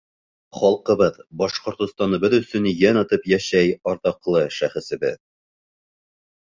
Халҡыбыҙ, Башҡортостаныбыҙ өсөн йән атып йәшәй арҙаҡлы шәхесебеҙ.